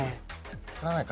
作らないか。